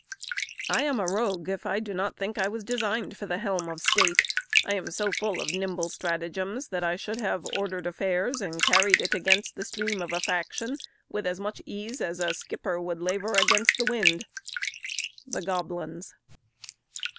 I am a rogue if I do not think I was designed for the helm of state; I am so full of nimble stratagems, that I should have ordered affairs, and carried it against the stream of a faction, with as much ease as a skipper would laver against the wind. THE GOBLINS.